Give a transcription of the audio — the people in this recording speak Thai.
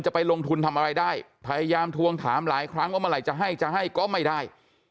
ไปลงทุนทำอะไรได้พยายามทวงถามหลายครั้งว่าเมื่อไหร่จะให้จะให้ก็ไม่ได้